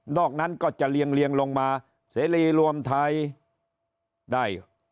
นั้นก็จะเรียงลงมาเสรีรวมไทยได้